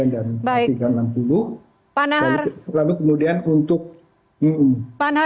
dan tiga ratus enam puluh lalu kemudian untuk penyelamannya